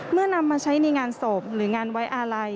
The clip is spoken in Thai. นำมาใช้ในงานศพหรืองานไว้อาลัย